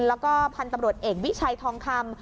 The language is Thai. แล้วก็พันธุ์ตำรวจเอกวิชัยทองคำ